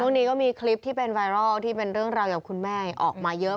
ช่วงนี้ก็มีคลิปที่เป็นไวรัลที่เป็นเรื่องราวกับคุณแม่ออกมาเยอะ